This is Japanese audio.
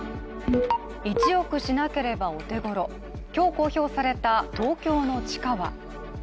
１億しなければお手ごろ、今日、公表された東京の地価は。